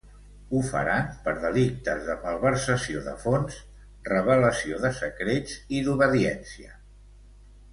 Ho faran per delictes de malversació de fons, revelació de secrets i d'obediència.